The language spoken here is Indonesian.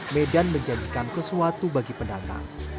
medan menjanjikan sesuatu bagi pendatang